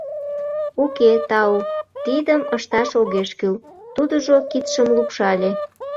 — Уке, тау, тидым ышташ огеш кӱл, — тудыжо кидшым лупшале.